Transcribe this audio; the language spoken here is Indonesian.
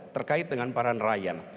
terkait dengan para nelayan